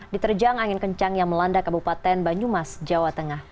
diterjang angin kencang yang melanda kabupaten banyumas jawa tengah